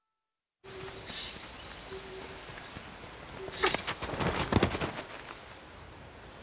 あっ！